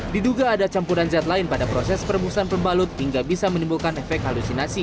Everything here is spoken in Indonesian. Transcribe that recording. diduga ada campuran zat lain pada proses perebusan pembalut hingga bisa menimbulkan efek halusinasi